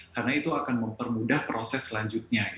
karena itu akan mempermudah proses selanjutnya